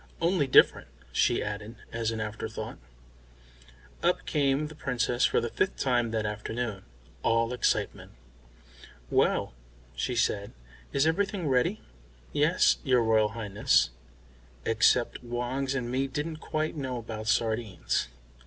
"Only different," she added, as an afterthought. Up came the Princess for the fifth time that afternoon, all excitement. "Well," she said, "is everything ready?" "Yes, your Royal Highness. Except Woggs and me didn't quite know about sardines."